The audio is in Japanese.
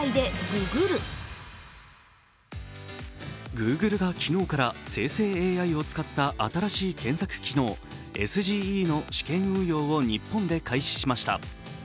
Ｇｏｏｇｌｅが昨日から生成ＡＩを使った新しい検索機能、ＳＧＥの試験運用を日本で開始しました。